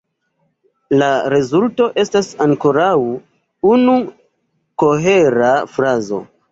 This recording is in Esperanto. La rezulto estas ankoraŭ unu kohera frazo.